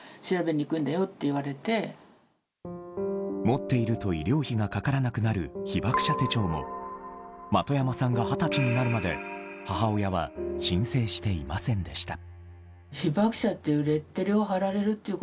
持っていると医療費がかからなくなる被爆者手帳も的山さんが二十歳になるまで母親は申請していませんでした。